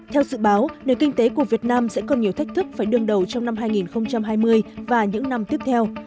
theo dự báo nền kinh tế của việt nam sẽ còn nhiều thách thức phải đương đầu trong năm hai nghìn hai mươi và những năm tiếp theo